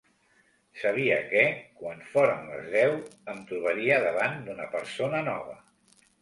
Sabia que, quan foren les deu, em trobaria davant d’una persona nova.